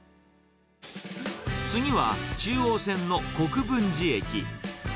次は、中央線の国分寺駅。